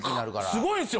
すごいんすよ。